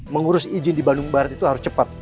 mengurus izin di bandung barat itu harus cepat